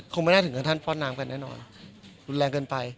คงไม่น่าถึงเพื่อนท่านปล่อนน้ำไปแน่นอนรุนแรงเกินไป